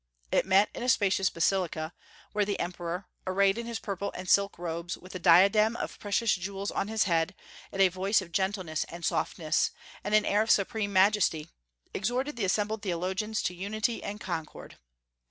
It met in a spacious basilica, where the emperor, arrayed in his purple and silk robes, with a diadem of precious jewels on his head, and a voice of gentleness and softness, and an air of supreme majesty, exhorted the assembled theologians to unity and concord.